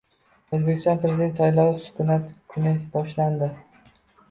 O‘zbekistonda Prezident saylovida Sukunat kuni boshlandi